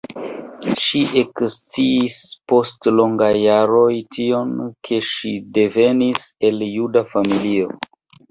Ŝi eksciis post longaj jaroj tion, ke ŝi devenis el juda familio.